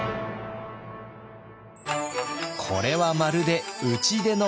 これはまるで打ち出の小づち。